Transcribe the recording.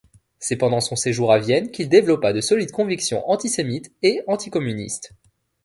C'est pendant son séjour à Vienne qu'il développa de solides convictions antisémites et anticommunistes.